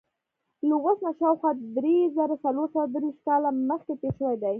له اوس نه شاوخوا درې زره څلور سوه درویشت کاله مخکې تېر شوی دی.